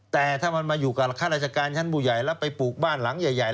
แต่ถ้ามันมาอยู่กับข้าราชการชั้นผู้ใหญ่แล้วไปปลูกบ้านหลังใหญ่